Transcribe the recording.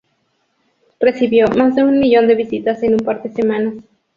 Recibió más de un millón de visitas en un par de semanas.